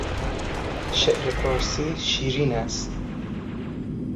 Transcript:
شعر فارسی شیرین است.